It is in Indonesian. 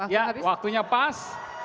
ya waktunya pas